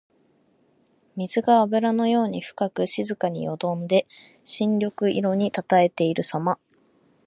水があぶらのように深く静かによどんで深緑色にたたえているさま。